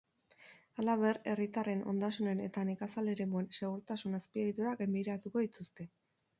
Halaber, herritarren, ondasunen eta nekazal-eremuen segurtasun-azpiegiturak gainbegiratuko dituzte.